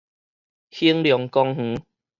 興隆公園